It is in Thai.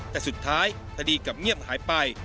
แต่สุดท้ายคดีกลับเงียบหายไป